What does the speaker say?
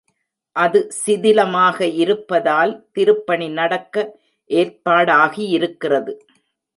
அது சிதிலமாக இருப்பதால் திருப்பணி நடக்க ஏற்பாடாகியிருக்கிறது.